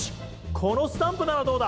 このスタンプならどうだ。